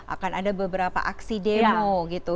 akan ada beberapa aksi demo gitu